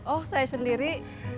oh saya sendiri